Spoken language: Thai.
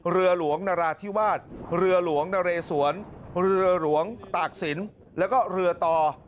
เรือหลวงหนราธิวาสเรือหลวงนาร๋สวนเตากสินเรือตอ๑๑๓